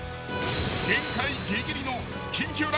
［限界ギリギリの］